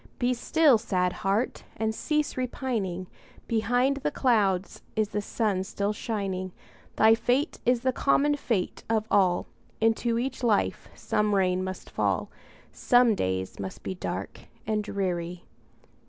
Be still, sad heart! and cease repining; Behind the clouds is the sun still shining; Thy fate is the common fate of all, Into each life some rain must fall, Some days must be dark and dreary.